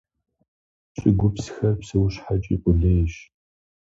ЩӀыгупсхэр псэущхьэкӀи къулейщ.